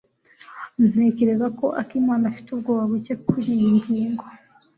Ntekereza ko akimana afite ubwoba buke kuriyi ngingo.